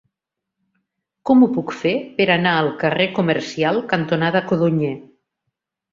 Com ho puc fer per anar al carrer Comercial cantonada Codonyer?